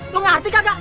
lu ngerti kakak